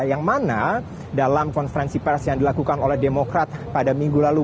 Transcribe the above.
yang mana dalam konferensi pers yang dilakukan oleh demokrat pada minggu lalu